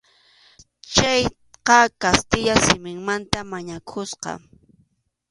Chayqa kastilla simimanta mañakusqa.